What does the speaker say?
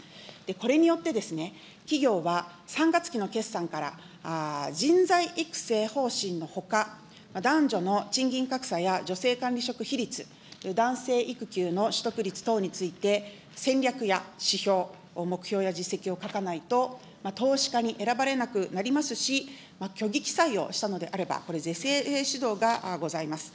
これによって、企業は３月期の決算から、人材育成方針のほか、男女の賃金格差や女性管理職比率、男性育休の取得率等について、戦略や指標、目標や実績を書かないと、投資家に選ばれなくなりますし、虚偽記載をしたのであれば、これ、是正指導がございます。